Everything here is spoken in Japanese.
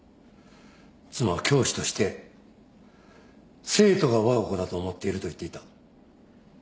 妻は教師として生徒がわが子だと思っていると言っていた。